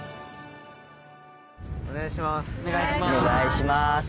お願いします。